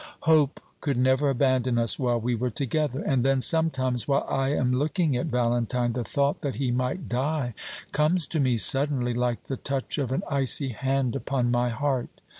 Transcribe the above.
Hope could never abandon us while we were together. And then, sometimes, while I am looking at Valentine, the thought that he might die comes to me suddenly, like the touch of an icy hand upon my heart.